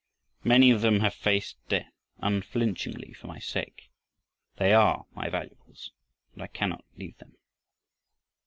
Many of them have faced death unflinchingly for my sake. They are my valuables, and I cannot leave them."